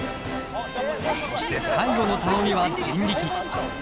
そして最後の頼みは人力。